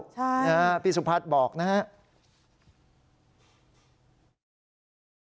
ใช่พี่สุภัทรบอกนะครับ